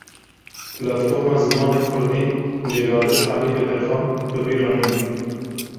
Platforma Zimanê kurdî Celadet Elî Bedirxan bi bîr anî.